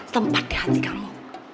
tempat di hati kamu